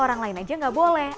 orang lain aja nggak boleh